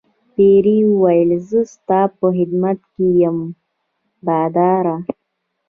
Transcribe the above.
پیري وویل زه ستا په خدمت کې یم باداره.